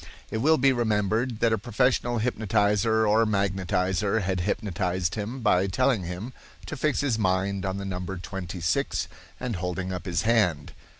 It will be remembered that a professional hypnotizer or magnetizer had hypnotized him by telling him to fix his mind on the number twenty six and holding up his hand.